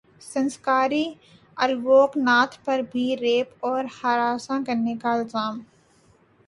سنسکاری الوک ناتھ پر بھی ریپ اور ہراساں کرنے کا الزام